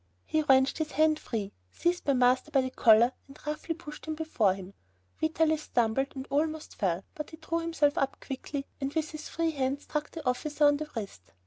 He wrenched his hand free, seized my master by the collar and roughly pushed him before him. Vitalis stumbled and almost fell, but he drew himself up quickly and with his free hand struck the officer on the wrist.